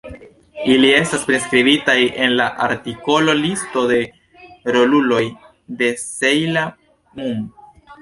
Ili estas priskribitaj en la artikolo Listo de roluloj de "Sejla Mun".